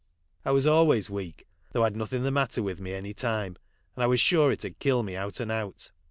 I was always weak, though I'd nothing the matter with me any time, and I was sure it'd kill me out and out.